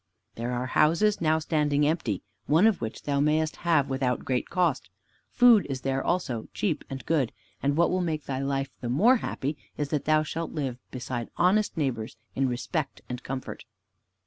There are houses now standing empty, one of which thou mayest have without great cost. Food is there also, cheap and good, and what will make thy life the more happy is, that thou shalt live beside honest neighbors, in respect and comfort."